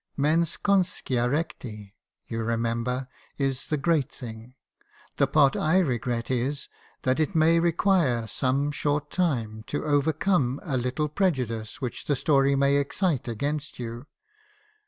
Mens conscia recti, you remember, is the great thing. The part I regret is , that it may require some short time to overcome a little prejudice which the story may excite against you.